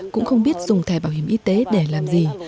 cũng không biết dùng thẻ bảo hiểm y tế để làm gì